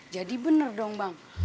jadi bener dong bang